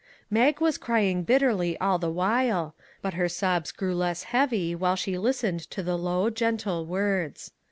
Mag was crying bitterly all the while, but her sobs grew less heavy while she listened to the low, gentle words.